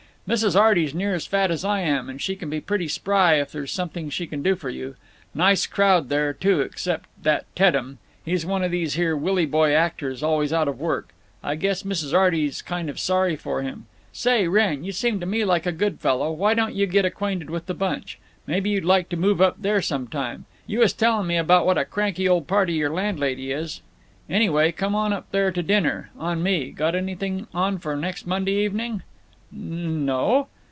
"Mrs. Arty's nearly as fat as I am, but she can be pretty spry if there's something she can do for you. Nice crowd there, too except that Teddem—he's one of these here Willy boy actors, always out of work; I guess Mrs. Arty is kind of sorry for him. Say, Wrenn—you seem to me like a good fellow—why don't you get acquainted with the bunch? Maybe you'd like to move up there some time. You was telling me about what a cranky old party your landlady is. Anyway, come on up there to dinner. On me. Got anything on for next Monday evening?" "N no."